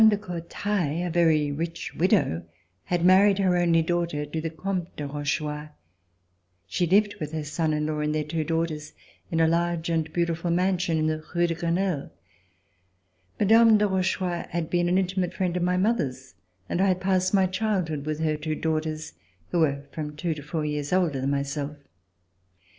de Courtellle, a very rich widow, had married her only daughter to the Comte de Roche chouart. She lived with her son in law and their two daughters in a large and beautiful mansion In the RECOLLECTIONS OF THE REVOLUTION Rue de Crenelle. Mme. de Rochechouart had been an intimate friend of my mother's, and I had passed my childhood with her two daughters, who were from two to four years older than myself.